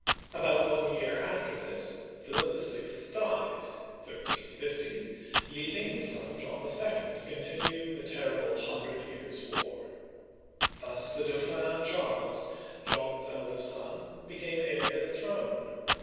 About one year after this, Philip VI. died (1350), leaving his son John II. to continue the terrible Hundred Years' War. Thus the Dauphin Charles, John's eldest son, became heir to the throne.